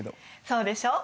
そうでしょう！